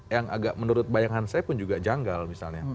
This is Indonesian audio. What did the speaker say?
yang agak menurut bayangan saya pun juga janggal misalnya